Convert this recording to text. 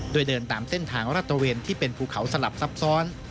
โดยเดินตามเส้นทางรัฐเวนที่เป็นภูเขาสลับซับซ้อน